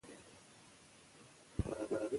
ټولنه به پرمختګ کوي.